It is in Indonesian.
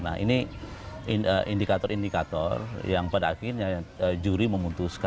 nah ini indikator indikator yang pada akhirnya juri memutuskan